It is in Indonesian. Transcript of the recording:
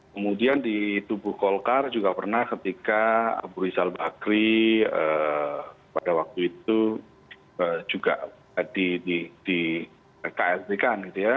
kemudian di tubuh golkar juga pernah ketika abu rizal bakri pada waktu itu juga di klb kan gitu ya